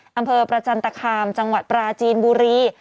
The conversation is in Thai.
อำเภอประจันตคามจังหวัดปราจีนบุรี